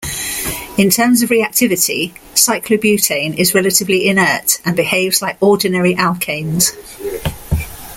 In terms of reactivity, cyclobutane is relatively inert and behaves like ordinary alkanes.